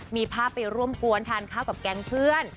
มีภาพไปร่วมกวนทานข้าวกับแก๊งเพื่อน